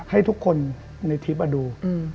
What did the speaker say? ให้ทุกคนในทริปดู